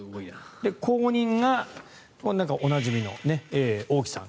後任がおなじみの王毅さん。